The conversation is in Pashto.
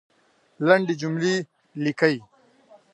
لندي جملې لیکئ !